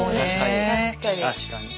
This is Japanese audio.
確かに。